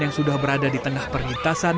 yang sudah berada di tengah perlintasan